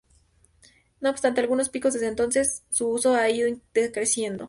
No obstante algunos picos desde entonces, su uso ha ido decreciendo.